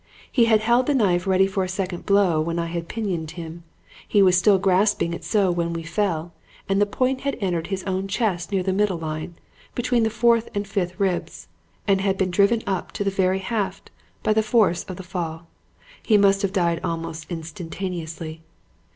He had held the knife ready for a second blow when I had pinioned him. He was still grasping it so when we fell, and the point had entered his own chest near the middle line, between the fourth and fifth ribs, and had been driven in up to the very haft by the force of the fall. He must have died almost instantaneously.